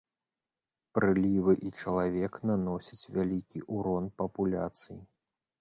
Прылівы і чалавек наносяць вялікі ўрон папуляцыі.